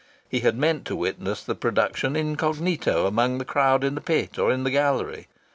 He had meant to witness the production incognito among the crowd in the pit or in the gallery.